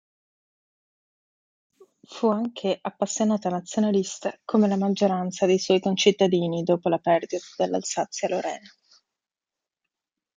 Fu anche appassionata nazionalista come la maggioranza dei suoi concittadini dopo la perdita dell'Alsazia-Lorena.